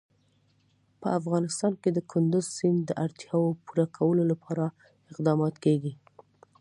په افغانستان کې د کندز سیند د اړتیاوو پوره کولو لپاره اقدامات کېږي.